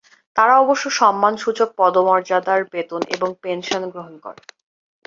তারা অবশ্য সম্মানসূচক পদমর্যাদার বেতন এবং পেনশন গ্রহণ করে।